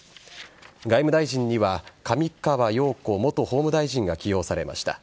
外務大臣には上川陽子元法務大臣が起用されました。